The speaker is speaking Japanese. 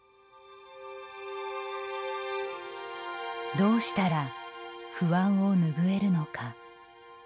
どうしたら、不安を拭えるのか。